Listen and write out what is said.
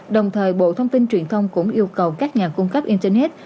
đồng thời bộ thông tin truyền thông cũng yêu cầu các nhà cung cấp internet